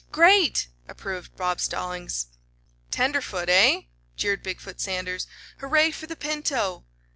Great!" approved Bob Stallings. "Tenderfoot, eh?" jeered Big foot Sanders. "Hooray for the Pinto!"